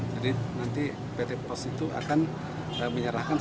jadi nanti pt pos itu akan menyerahkan